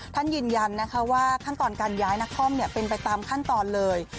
ท่านยืนยันนะคะว่าขั้นตอนการย้ายนครเป็นไปตามขั้นตอนเลย